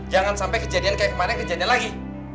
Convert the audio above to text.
jangan sampai kejadian kayak kemarin kejadian lagi